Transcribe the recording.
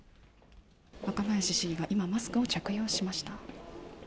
若林市議が今、マスクを着用しました。